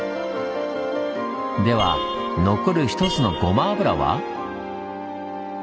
では残る一つのごま油は？